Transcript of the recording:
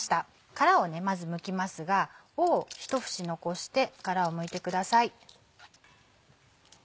殻をまずむきますが尾を一節残して殻をむいてください。